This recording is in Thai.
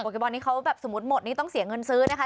แกบอลนี้เขาแบบสมมุติหมดนี่ต้องเสียเงินซื้อนะคะ